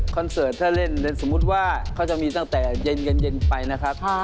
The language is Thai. คอนเสิร์ตถ้าเล่นก็จะมีตั้งแต่เย็นไปนะครับ